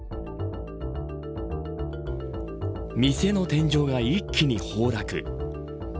店の天井が一気に崩落。